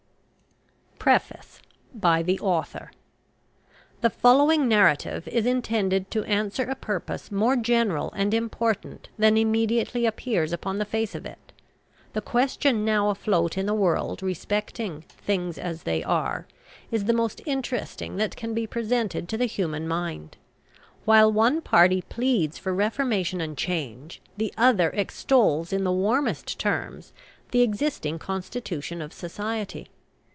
PREFACE BY THE AUTHOR. The following narrative is intended to answer a purpose more general and important than immediately appears upon the face of it. The question now afloat in the world respecting THINGS AS THEY ARE is the most interesting that can be presented to the human mind. While one party pleads for reformation and change, the other extols in the warmest terms the existing constitution of society.